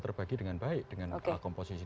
terbagi dengan baik dengan komposisi